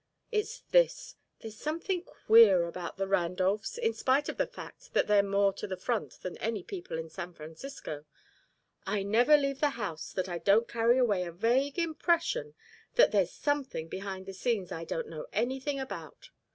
It's this: there's something queer about the Randolphs in spite of the fact that they're more to the front than any people in San Francisco. I never leave that house that I don't carry away a vague impression that there's something behind the scenes I don't know anything about.